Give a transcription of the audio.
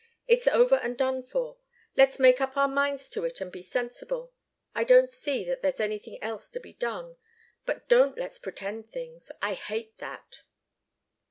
It's over and done for. Let's make up our minds to it and be sensible. I don't see that there's anything else to be done. But don't let's pretend things. I hate that."